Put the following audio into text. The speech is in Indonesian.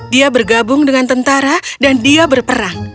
dia bergabung dengan tentara dan dia berperang